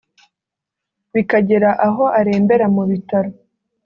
bikagera aho arembera mu bitaro